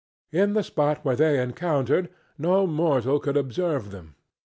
In the spot where they encountered no mortal could observe them.